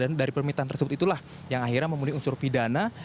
dan dari permintaan tersebut itulah yang akhirnya memenuhi unsur pidana